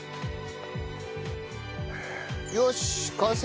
よし完成！